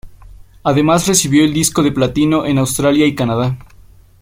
Además recibió el disco de platino en Australia y Canadá.